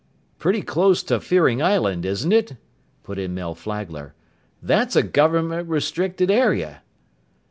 "Pretty close to Fearing Island, isn't it?" put in Mel Flagler. "That's a government restricted area."